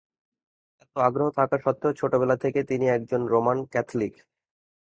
এতো আগ্রহ থাকা সত্ত্বেও ছোটবেলা থেকেই তিনি একজন রোমান ক্যাথলিক।